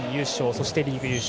そしてリーグ優勝。